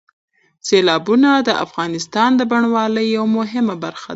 سیلابونه د افغانستان د بڼوالۍ یوه مهمه برخه ده.